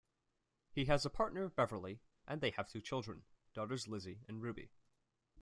He has a partner Beverly, and they have two children, daughters Lizzie and Ruby.